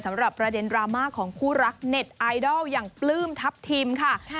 สำหรับประเด็นดราม่าของคู่รักเน็ตไอดอลอย่างปลื้มทัพทิมค่ะ